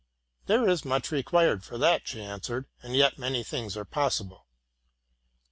''—'* There is much required for that,'' she answered, '+ and yet many things are possible.